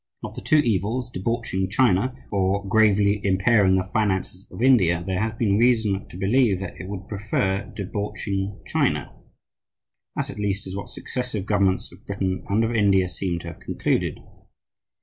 Of the two evils, debauching China or gravely impairing the finances of India, there has been reason to believe that it would prefer debauching China. That, at least, is what successive governments of Britain and of India seem to have concluded.